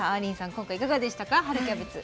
今回いかがでしたか春キャベツ。